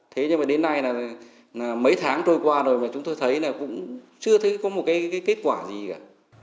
thế nhưng mà đến nay là mấy tháng trôi qua rồi mà chúng tôi thấy là cũng chưa thấy có một cái kết quả gì cả